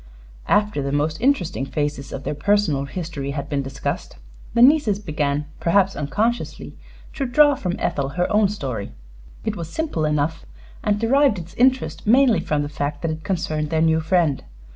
After the most interesting phases of their personal history had been discussed, the nieces began, perhaps unconsciously, to draw from Ethel her own story. It was simple enough, and derived its interest mainly from the fact that it concerned their new friend.